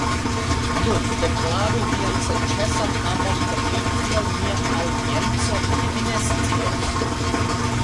Nun, deklaru vian senĉesan amon por mi tiel mi aŭdienco finfine scios